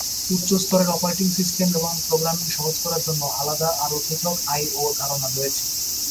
উচ্চ স্তরের operating system এবং প্রোগ্রামিং সহজ করার জন্য আলাদা আরো পৃথক আই/ও ধারণা রয়েছে।